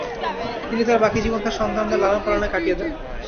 তিনি তার বাকি জীবন তার সন্তানদের লালনপালনে কাটিয়ে দেন।